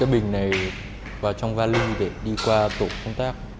bình này vào trong vali để đi qua tổ công tác